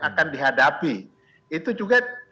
akan dihadapi itu juga